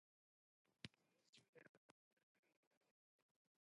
七海娜娜米